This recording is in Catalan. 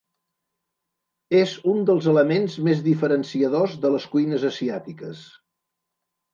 És un dels elements més diferenciadors de les cuines asiàtiques.